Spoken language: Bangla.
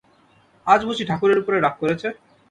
আজ বুঝি ঠাকুরের উপরে রাগ করেছে।